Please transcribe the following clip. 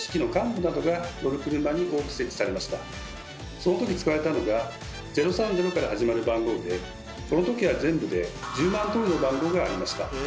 その時使われたのが「０３０」から始まる番号でこの時は全部で１０万通りの番号がありました。